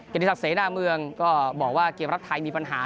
กันที่ศักดิ์เสน่ห์หน้าเมืองก็บอกว่าเกมรักไทยมีปัญหา